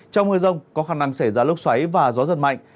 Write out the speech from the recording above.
trong mưa rông có khả năng xảy ra lốc xoáy và gió giật mạnh